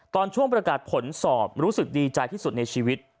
ตอนช่วงประกาศผลสอบรู้สึกดีใจที่สุดในชีวิต